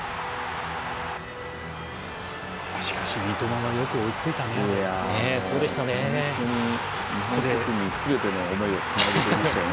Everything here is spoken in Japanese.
しかし、三笘はよく追いついたね。